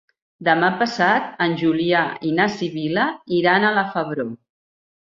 Demà passat en Julià i na Sibil·la iran a la Febró.